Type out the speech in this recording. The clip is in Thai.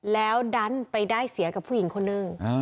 แล้วดันไปได้เสียกับผู้หญิงคนนึง